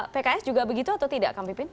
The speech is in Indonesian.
pks juga begitu atau tidak kang pipin